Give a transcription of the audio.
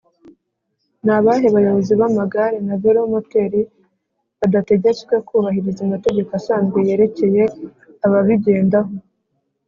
na bahe bayobozi b’amagare na velomoteri badategetswe kubahiriza amategeko asanzwe yerekeye ababigendaho